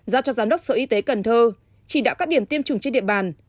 giao cho giám đốc sở y tế cần thơ chỉ đạo các điểm tiêm chủng trên địa bàn